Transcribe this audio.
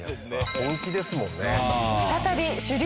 本気ですもんねやっぱ。